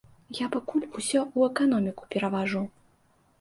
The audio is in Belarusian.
Я пакуль усё ў эканоміку перавожу.